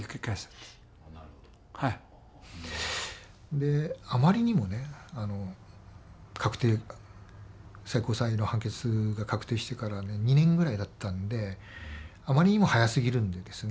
であまりにもね確定最高裁の判決が確定してからね２年ぐらいだったんであまりにも早すぎるんでですね